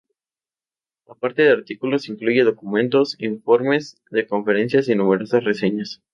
Aparte de artículos incluye documentos, informes de conferencias y numerosas reseñas.